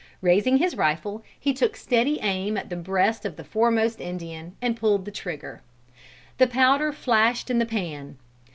Raising his rifle, he took steady aim at the breast of the foremost Indian, and pulled the trigger. The powder flashed in the pan.